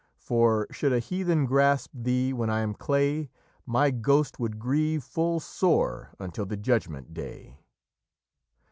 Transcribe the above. For should a heathen grasp thee when I am clay, My ghost would grieve full sore until the judgment day!"